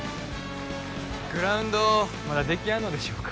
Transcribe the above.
グラウンドまだできやんのでしょうか